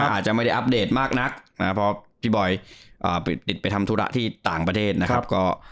อาจจะไม่ได้อัปเดตมากนักเพราะพี่บอยปิดไปทำธุระที่ต่างประเทศนะครับ